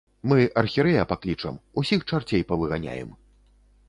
Мы архірэя паклічам, усіх чарцей павыганяем.